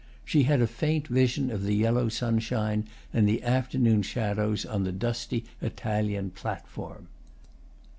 she had a faint vision of the yellow sunshine and the afternoon shadows on the dusty Italian platform.